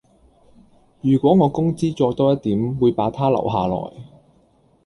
如果我工資再多一點會把她留下來